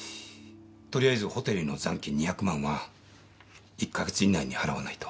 とりあえずホテルへの残金２００万は１カ月以内に払わないと。